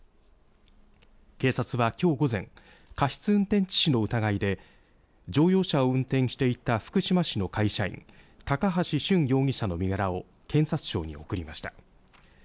警察は、きょう午前過失運転致死の疑いで乗用車を運転していた福島市の会社員高橋俊容疑者の身柄を検察庁に送りました。